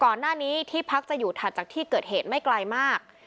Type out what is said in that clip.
ก่อนหน้านี้ที่พักจะอยู่ถัดจากที่เกิดเหตุไม่ไกลมาก